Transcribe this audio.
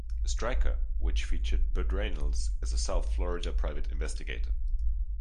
Stryker, which featured Burt Reynolds as a South Florida private investigator.